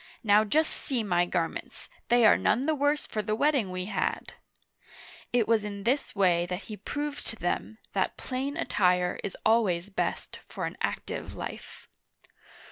Now just see my garments, they are none the worse for the wetting we had !" It was in this way that he proved to them that plain attire is always best for an active life.